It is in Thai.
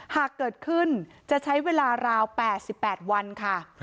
หากเกิดขึ้นจะใช้เวลาราว๘๘วันค่ะ